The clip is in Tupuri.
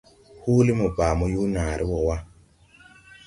Huulí mo baa mo yoo naaré woo wa.